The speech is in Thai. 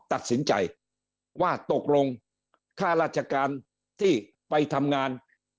ตัดสินใจว่าตกลงค่าราชการที่ไปทำงาน